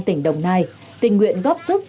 tỉnh đồng nai tình nguyện góp sức